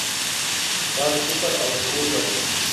دا د فکر او شعور ژبه ده.